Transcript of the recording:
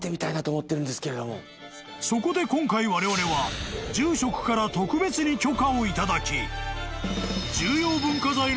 ［そこで今回われわれは住職から特別に許可を頂き］